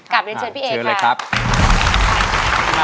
กลับเปลี่ยนเชื่อด้วยพี่เอ๋ค่ะ